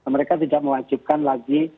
mereka tidak mewajibkan lagi